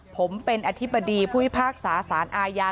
ผมเป็นอธิบดีผู้พิพากษาสารอาญา